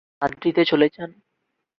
তিনি মাদ্রিদে চলে যান।